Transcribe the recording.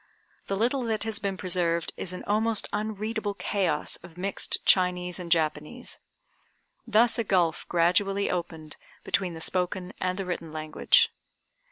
The little that has been preserved is an almost unreadable chaos of mixed Chinese and Japanese. Thus a gulf gradually opened between the spoken and the written language.